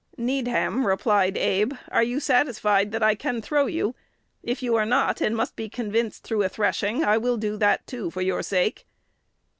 "Needham," replied Abe, "are you satisfied that I can throw you? If you are not, and must be convinced through a threshing, I will do that, too, for your sake."